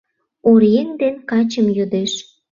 Оръеҥ ден качым йодеш.